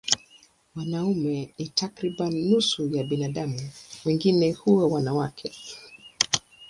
Wanaume ni takriban nusu ya binadamu, wengine huwa wanawake.